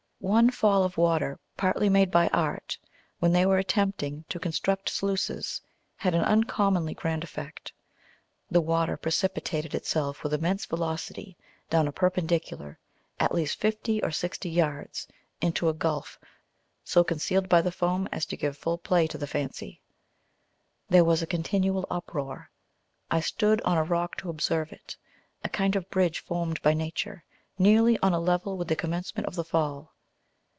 One fall of water, partly made by art, when they were attempting to construct sluices, had an uncommonly grand effect; the water precipitated itself with immense velocity down a perpendicular, at least fifty or sixty yards, into a gulf, so concealed by the foam as to give full play to the fancy. There was a continual uproar. I stood on a rock to observe it, a kind of bridge formed by nature, nearly on a level with the commencement of the fall.